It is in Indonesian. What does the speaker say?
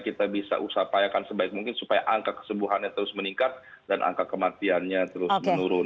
kita bisa usahakan sebaik mungkin supaya angka kesembuhannya terus meningkat dan angka kematiannya terus menurun